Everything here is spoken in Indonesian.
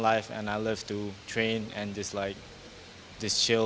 karena ini adalah kehidupan pulau dan saya suka berlatih dan berlutut